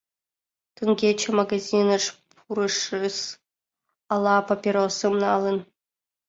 — Теҥгече магазиныш пурышыс, ала папиросым налын?